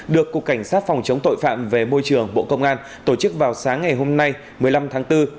được cục cảnh sát phòng chống tội phạm về môi trường bộ công an tổ chức vào sáng ngày hôm nay một mươi năm tháng bốn